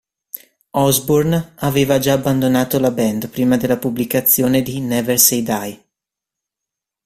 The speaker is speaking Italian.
Osbourne aveva già abbandonato la band prima della pubblicazione di "Never Say Die!